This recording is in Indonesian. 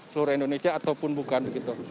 seluruh indonesia ataupun bukan